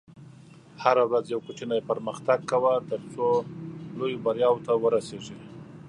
هره ورځ یو کوچنی پرمختګ کوه، ترڅو لویو بریاوو ته ورسېږې.